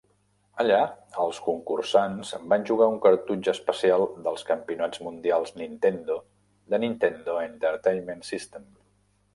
Allà, els concursants van jugar un cartutx especial dels Campionats Mundials Nintendo de Nintendo Entertainment System.